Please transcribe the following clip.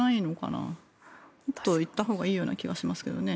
もっと言ったほうがいいような気がしますけどね。